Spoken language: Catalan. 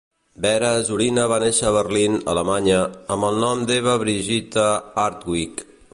Vera Zorina va néixer a Berlín, Alemanya, amb el nom d'Eva Brigitta Hartwig.